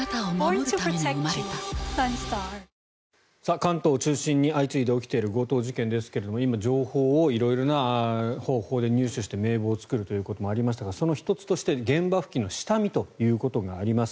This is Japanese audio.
関東を中心に相次いで起きている強盗事件ですが今、情報を色々な方法で入手して名簿を作るということもありましたがその１つとして現場付近の下見ということがあります。